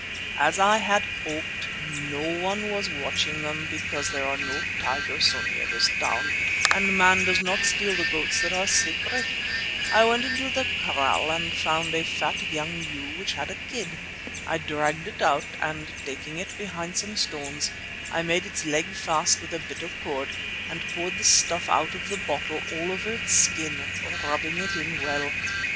As I had hoped, no one was watching them because there are no tigers so near this town, and man does not steal the goats that are sacred. I went into the kraal and found a fat young ewe which had a kid. I dragged it out and, taking it behind some stones, I made its leg fast with a bit of cord and poured this stuff out of the bottle all over its skin, rubbing it in well.